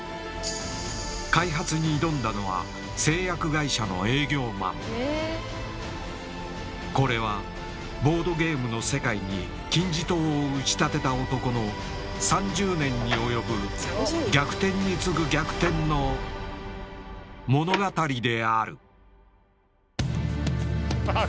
開発に挑んだのはこれはボードゲームの世界に金字塔を打ち立てた男の３０年に及ぶ「逆転に次ぐ逆転の物語」であるあ